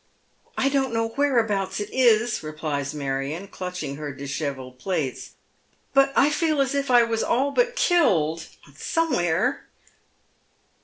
" I don't know whereabouts it is," replies Marion, clutching her dishcTelled plaits, " but I feel as if I was all but killed — somewhere."